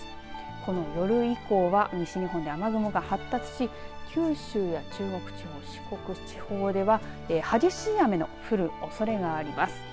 この夜以降は西日本で雨雲が発達し九州や中国地方、四国地方では激しい雨の降るおそれがあります。